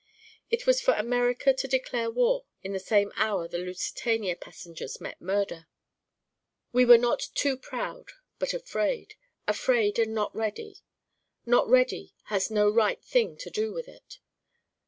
It was for America to declare war in the same hour the Lusitania passengers met murder. We were not 'too proud' but afraid. Afraid and not ready. Not ready has no right thing to do with it.